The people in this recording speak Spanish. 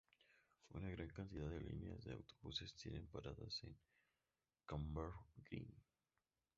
Una gran cantidad de líneas de autobuses tienen paradas en Camberwell Green.